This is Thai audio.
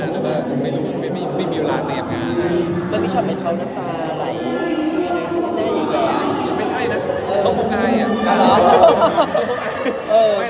แล้วไปเค้านัดกันตอนไหน